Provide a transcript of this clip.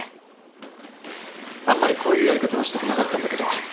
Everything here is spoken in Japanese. あんまりこういうやり方はしたくなかったんだけど。